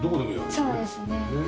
そうですねはい。